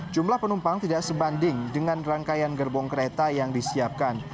jumlah penumpang tidak sebanding dengan rangkaian gerbong kereta yang disiapkan